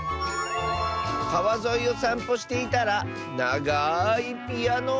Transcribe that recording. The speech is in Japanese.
「かわぞいをさんぽしていたらながいピアノをみつけた！」。